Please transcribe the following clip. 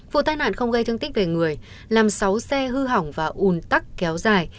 vụ tai nạn không gây thương tích về người làm sáu xe hư hỏng và ùn tắc kéo dài